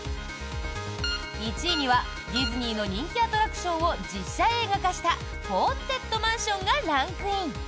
１位にはディズニーの人気アトラクションを実写映画化した「ホーンテッドマンション」がランクイン。